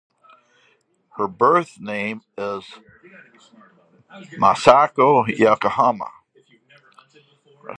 Her birth name is Masako Yokoyama.